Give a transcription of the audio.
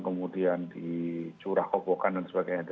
kemudian di curah kobokan dan sebagainya